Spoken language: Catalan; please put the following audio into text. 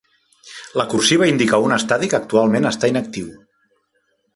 La cursiva indica un estadi que actualment està inactiu.